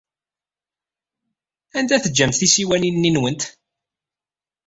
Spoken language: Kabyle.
Anda ay teǧǧamt tisiwanin-nwent?